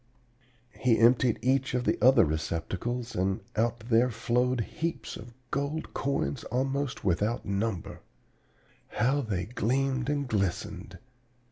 "He emptied each of the other receptacles, and out there flowed heaps of gold coins almost without number! How they gleamed and glistened!